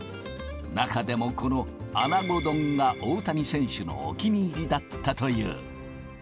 中でもこの、穴子丼が大谷選手のお気に入りだったという。